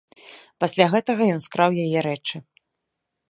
Пасля гэтага ён скраў яе рэчы.